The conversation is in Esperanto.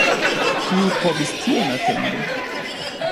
Kiu povis tion atendi!